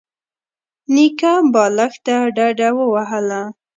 نيکه بالښت ته ډډه ووهله.